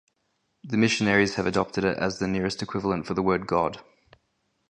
The missionaries have adopted it as the nearest equivalent for the word God.